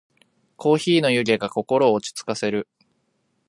コーヒーの湯気が心を落ち着かせる。